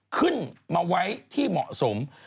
ขึ้นมาไว้ที่เหมาะสม